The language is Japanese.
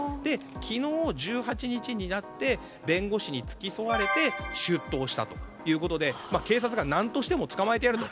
昨日１８日になって弁護士に付き添われて出頭したということで警察が何としても捕まえてやると。